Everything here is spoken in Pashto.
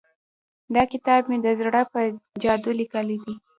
دا کتاب مې د زړه په چاود ليکلی دی.